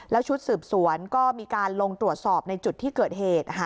แล้วชุดสืบสวนก็มีการลงตรวจสอบในจุดที่เกิดเหตุ